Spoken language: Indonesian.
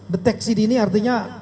deteksi dini artinya